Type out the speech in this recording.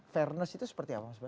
fairness itu seperti apa mas bas